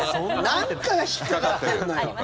なんかが引っかかってるのよ。